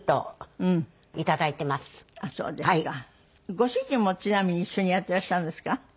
ご主人もちなみに一緒にやってらっしゃるんですか？